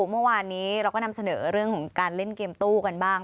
เมื่อวานนี้เราก็นำเสนอเรื่องของการเล่นเกมตู้กันบ้าง